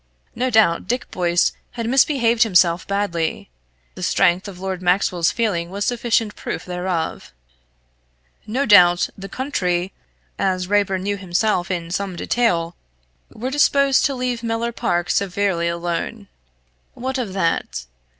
No doubt Dick Boyce had misbehaved himself badly the strength of Lord Maxwell's feeling was sufficient proof thereof. No doubt the "county," as Raeburn himself knew, in some detail, were disposed to leave Mellor Park severely alone. What of that?